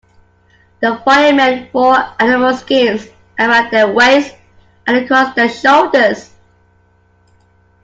The Fire-Men wore animal skins around their waists and across their shoulders.